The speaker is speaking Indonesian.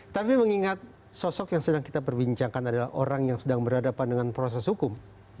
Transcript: tapi mengingat sosok yang sedang kita perbincangkan adalah orang yang sedang berhadapan dengan proses hukum